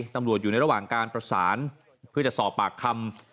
ตำรวจอยู่ในระหว่างการประสานเพื่อจะสอบปากคำ